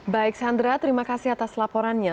baik sandra terima kasih atas laporannya